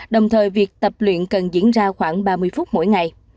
đồng thời việc tập luyện cần diễn ra khoảng ba mươi phút mỗi ngày